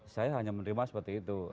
saya hanya menerima seperti itu